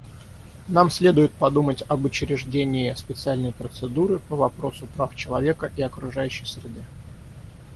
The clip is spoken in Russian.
Нам следует подумать об учреждении специальной процедуры по вопросу прав человека и окружающей среды.